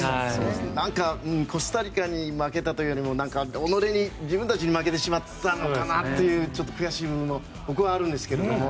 なんかコスタリカに負けたというよりも己に、自分たちに負けてしまったのかなというちょっと悔しい部分も僕はあるんですけども。